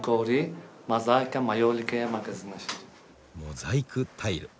モザイクタイル。